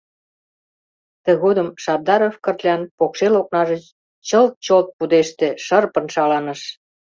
Тыгодым Шабдаров Кырлян покшел окнаже чылт-чолт пудеште, шырпын шаланыш.